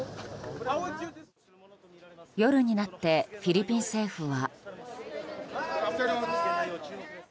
夜になってフィリピン政府は。